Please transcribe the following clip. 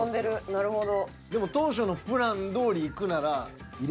なるほど。